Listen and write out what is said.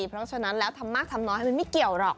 เพราะฉะนั้นแล้วทำมากทำน้อยมันไม่เกี่ยวหรอก